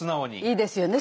いいですよね。